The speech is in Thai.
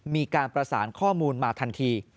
มีการประสานข้อมูลมาทันที